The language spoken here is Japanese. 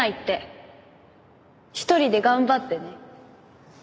一人で頑張ってね。